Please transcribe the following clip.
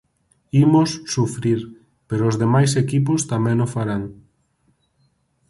Imos sufrir, pero os demais equipos tamén o farán.